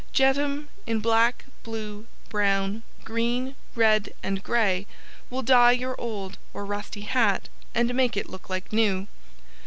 JETUM in Black, Blue, Brown, Green, Red and Gray, will dye your old or rusty hat, and make it look like new.